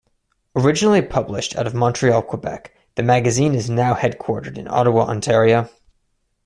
Originally published out of Montreal, Quebec, the magazine is now headquartered in Ottawa, Ontario.